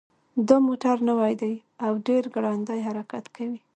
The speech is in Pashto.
دا موټر نوی ده او ډېر ګړندی حرکت کوي